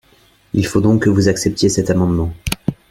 Il faut donc que vous acceptiez cet amendement